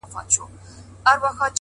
ولي مي هره شېبه- هر ساعت په غم نیسې-